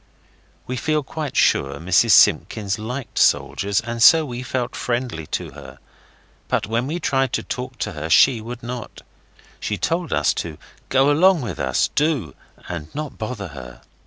We feel quite sure Mrs Simpkins liked soldiers, and so we felt friendly to her. But when we tried to talk to her she would not. She told us to go along with us, do, and not bother her.